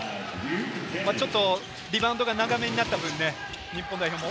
ちょっとリバウンドが長めになった分、日本代表も。